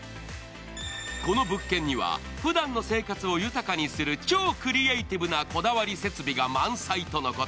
この物件には普段の生活を豊かにする超クリエイティブなこだわり設備が満載とのこと。